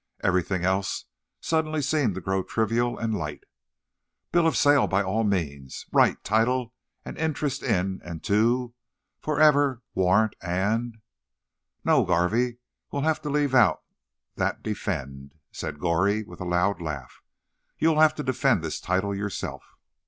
Everything else suddenly seemed to grow trivial and light. "Bill of sale, by all means. 'Right, title, and interest in and to' ... 'forever warrant and—' No, Garvey, we'll have to leave out that 'defend,'" said Goree with a loud laugh. "You'll have to defend this title yourself."